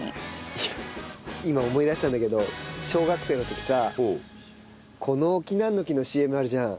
いや今思い出したんだけど小学生の時さ「この木なんの木」のＣＭあるじゃん。